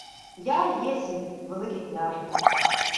— Я єсмь, Великий княже.